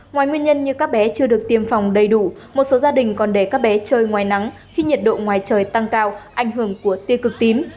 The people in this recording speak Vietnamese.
ngoài nguyên nhân như các bé chưa được tiêm phòng đầy đủ một số gia đình còn để các bé chơi ngoài nắng khi nhiệt độ ngoài trời tăng cao ảnh hưởng của tiêu cực tím